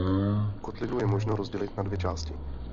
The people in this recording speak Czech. Kotlinu je možno rozdělit na dvě části.